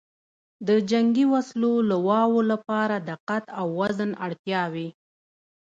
د جنګي وسلو لواو لپاره د قد او وزن اړتیاوې